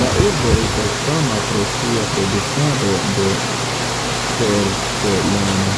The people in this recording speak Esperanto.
La urbo estas fama pro sia produktado de porcelano.